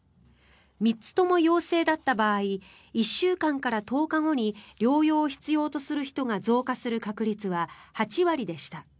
３つとも陽性だった場合１週間から１０日後に療養を必要とする人が増加する確率は８割でした。